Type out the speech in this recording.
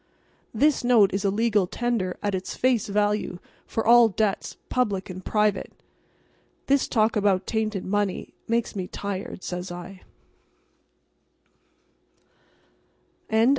"This note is a legal tender at its face value for all debts public and private." "This talk about tainted money makes me tired," says I.